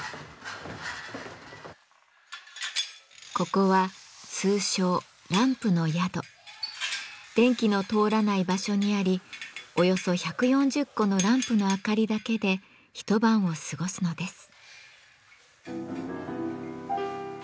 ここは通称電気の通らない場所にありおよそ１４０個のランプのあかりだけで一晩を過ごすのです。